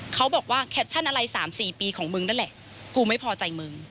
เขาบอกว่าแคปชั่นอะไร๓๔ปีของมึงนั่นแหละกูไม่พอใจมึง